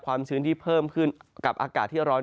ชื้นที่เพิ่มขึ้นกับอากาศที่ร้อน